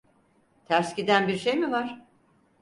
Ters giden bir şey mi var?